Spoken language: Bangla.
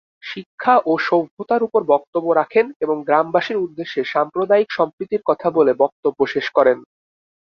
শিক্ষা ও সভ্যতার উপর বক্তব্য রাখেন এবং গ্রামবাসীর উদ্দেশ্যে সাম্প্রদায়িক সম্প্রীতির কথা বলে বক্তব্য শেষ করেন।